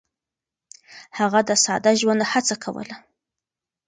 هغه د ساده ژوند هڅه کوله.